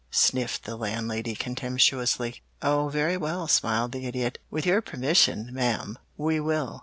sniffed the Landlady contemptuously. "Oh, very well," smiled the Idiot. "With your permission, ma'am, we will.